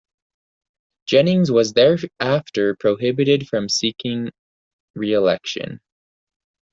Jennings was thereafter prohibited from seeking reelection.